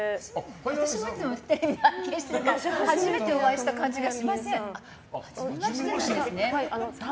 私もいつもテレビで拝見してるから初めてお会いした感じがしません。